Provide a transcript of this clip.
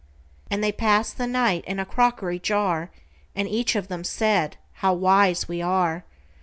And they pass'd the night in a crockery jar; And each of them said, "How wise we are!